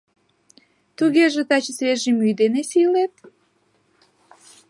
Тугеже таче свежа мӱй дене сийлет?